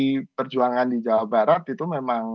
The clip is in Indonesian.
pdi perjuangan di jawa barat itu memang